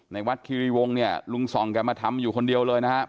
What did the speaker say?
ในวัดคิริวงศ์เนี่ยลุงส่องแกมาทำอยู่คนเดียวเลยนะครับ